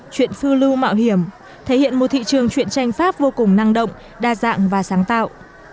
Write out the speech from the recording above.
chuyện phư lưu mạo hiểm thể hiện một thị trường chuyện tranh pháp vô cùng năng động đa dạng và sáng tạo